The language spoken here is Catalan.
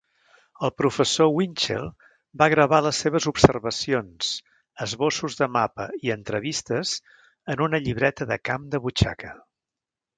El professor Winchell va gravar les seves observacions, esbossos de mapa i entrevistes en una llibreta de camp de butxaca.